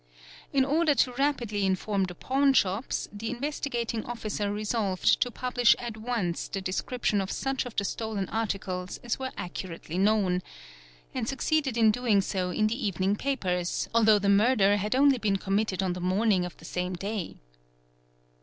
In order to Tapidly inform the pawnshops, the Investigating Officer resolved to a publish at once the description of such of the stolen articles as were accurately known; and succeeded in doing so in the evening papers, al Ithough the murder had only been committed on the morning of the ; 'same day.